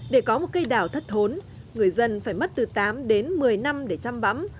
để có một cây đào thất thốn người dân phải mất từ tám đến một mươi năm để chăm bắm